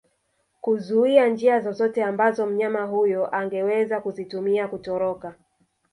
kuzuia njia zozote ambazo mnyama huyo angeweza kuzitumia kutoroka